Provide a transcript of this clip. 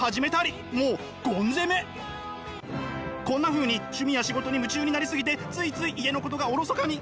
こんなふうに趣味や仕事に夢中になり過ぎてついつい家のことがおろそかに。